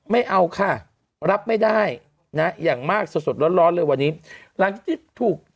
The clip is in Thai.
ไม่เอาค่ะรับไม่ได้นะอย่างมากสดสดร้อนเลยวันนี้หลังจากที่ถูก